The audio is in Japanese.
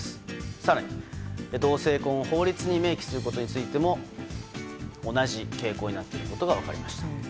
更に同性婚を法律に明記することについても同じ傾向になっていることが分かりました。